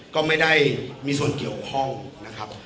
ก็ไม่ได้มีส่วนเกี่ยวข้องนะครับ